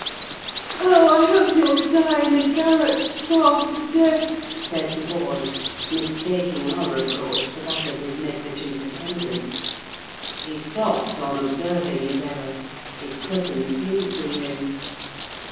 "Oh, I hope you'll die in a garret, starved to death!" said the boy, mistaking our approach for that of his negligent attendant. He stopped on observing his error: his cousin flew to him.